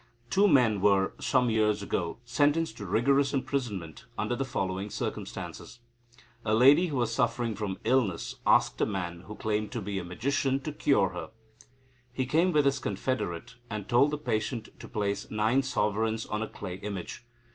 Two men were, some years ago, sentenced to rigorous imprisonment under the following circumstances. A lady, who was suffering from illness, asked a man who claimed to be a magician to cure her. He came with his confederate, and told the patient to place nine sovereigns on a clay image.